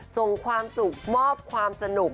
ส่งความสุขมอบความสนุก